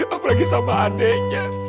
apalagi sama adeknya